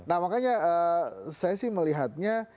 nah makanya saya sih melihatnya